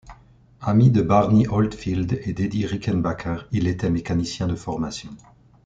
Ami de Barney Oldfield et d'Eddie Rickenbacker, il était mécanicien de formation.